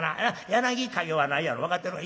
柳陰はないやろ分かってる。